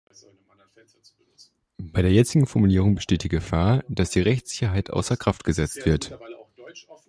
Bei der jetzigen Formulierung besteht die Gefahr, dass die Rechtssicherheit außer Kraft gesetzt wird.